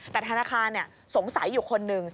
แต่ธนาคารสงสัยอยู่คนหนึ่ง